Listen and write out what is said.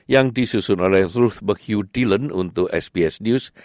yang disusun oleh ruth begiu dillon untuk sbs news